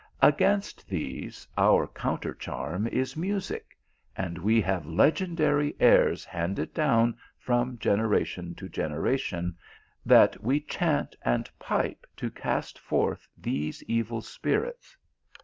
Against these, our countercharm is music ; and we have legendary airs handed down from generation to generation, that we chant and pipe to cast forth these evil spirits.